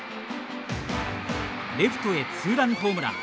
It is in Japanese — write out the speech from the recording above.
レフトへツーランホームラン。